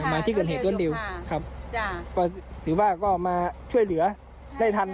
มาที่เกิดเหตุรวดเร็วครับจ้ะก็ถือว่าก็มาช่วยเหลือได้ทัน